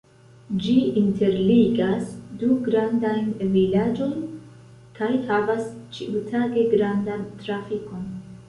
Ĝi interligas du grandajn vilaĝojn kaj havas ĉiutage grandan trafikon.